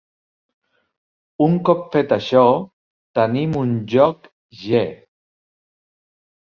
Un cop fet això, tenim un joc "G".